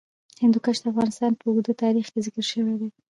هندوکش د افغانستان په اوږده تاریخ کې ذکر شوی دی.